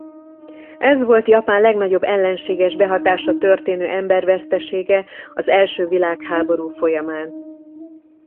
Ez volt Japán legnagyobb ellenséges behatásra történő embervesztesége az első világháború folyamán.